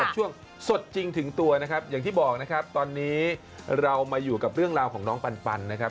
ช่วงสดจริงถึงตัวนะครับอย่างที่บอกนะครับตอนนี้เรามาอยู่กับเรื่องราวของน้องปันนะครับ